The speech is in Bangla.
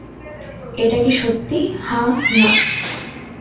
এটা কি সত্যি, হা-না?